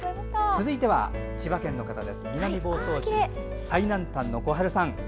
続いては千葉県南房総市、最南端の小春さん。